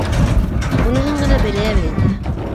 Уныһын ғына беләбеҙ инде.